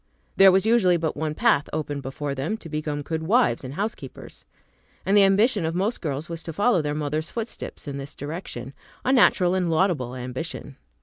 There was usually but one path open before them, to become good wives and housekeepers. And the ambition of most girls was to follow their mothers' footsteps in this direction; a natural and laudable ambition.